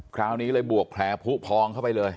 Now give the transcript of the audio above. คราวนี้เลยบวกแผลผู้พองเข้าไปเลย